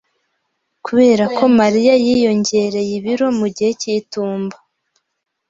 Kubera ko Mariya yiyongereye ibiro mu gihe cyitumba,